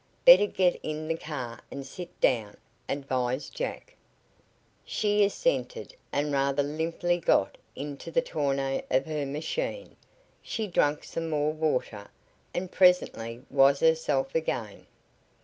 "Better get in the car and sit down," advised Jack. She assented, and rather limply got into the tonneau of her machine. She drank some more water, and presently was herself again.